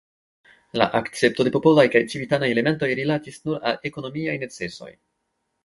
La akcepto de popolaj kaj civitanaj elementoj rilatis nur al ekonomiaj necesoj.